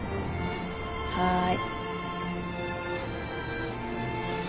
はい。